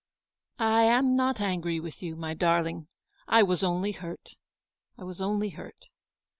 "I am not angry with you, my darling, I was only hurt, I was only hurt.